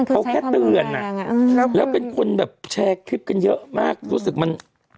เขาแค่เตือนแล้วเป็นคนแบบแชร์คลิปกันเยอะมากรู้สึกมัน